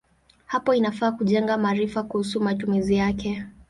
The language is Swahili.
Hapo inafaa kujenga maarifa kuhusu matumizi yake.